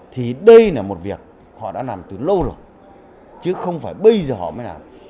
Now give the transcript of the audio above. thì đây là một việc họ đã làm từ lâu rồi chứ không phải bây giờ họ mới làm